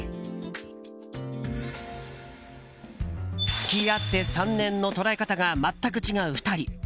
付き合って３年の捉え方が全く違う２人。